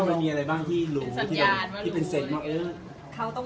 มันมีอะไรบ้างที่รู้ที่เป็นเสร็จมาก